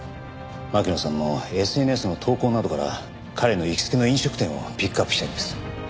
巻乃さんのＳＮＳの投稿などから彼の行きつけの飲食店をピックアップしたいんです。